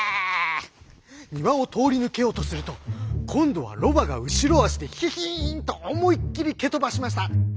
庭を通り抜けようとすると今度はロバが後ろ足でヒヒンと思いっきり蹴飛ばしました。